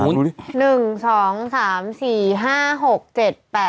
ไม่นะ